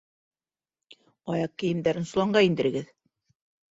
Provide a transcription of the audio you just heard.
Аяҡ кейемдәрен соланға индерегеҙ.